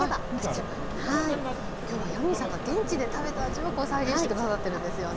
今日はヤミーさんが現地で食べた味をこう再現して下さってるんですよね？